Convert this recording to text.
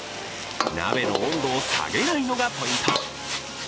鍋の温度を下げないのがポイント。